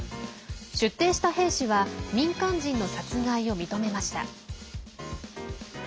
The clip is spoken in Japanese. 出廷した兵士は民間人の殺害を認めました。